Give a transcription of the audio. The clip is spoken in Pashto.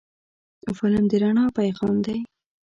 فلم د رڼا پیغام دی